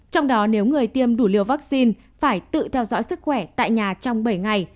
trong đó nếu người tiêm đủ liều vaccine phải tự theo dõi sức khỏe tại nhà trong bảy ngày